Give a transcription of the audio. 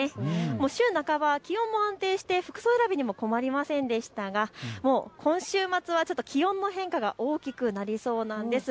週半ば、気温も安定して服装選びにも困りませんでしたがもう今週末は気温の変化が大きくなりそうなんです。